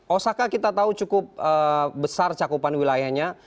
osaka kita tahu cukup besar cakupan wilayahnya